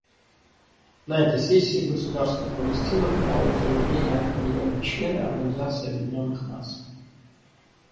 На этой сессии Государство Палестина подало заявление о приеме в члены Организации Объединенных Наций.